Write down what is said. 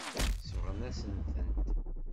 Sebɣen-asen-tent.